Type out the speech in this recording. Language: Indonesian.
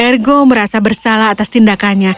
ergo merasa bersalah atas tindakannya